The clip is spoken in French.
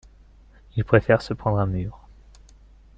Il préfère se prendre un mur.